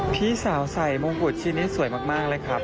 พี่สาวใส่มงกุฎชิ้นนี้สวยมากเลยครับ